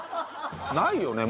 ないよね